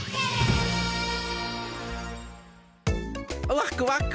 ワクワク。